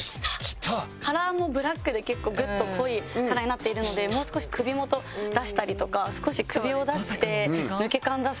カラーもブラックで結構グッと濃いカラーになっているのでもう少し首元出したりとか少し首を出して抜け感出すのがいいかな。